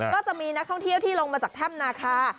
ก็จะมีนักท่องเที่ยวที่ลงมาจากถ้ำนาคา